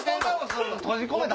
閉じ込めた。